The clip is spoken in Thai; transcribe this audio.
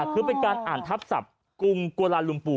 คือเป็นการอ่านทัพศัพท์กรุงกวาลานลุงปู่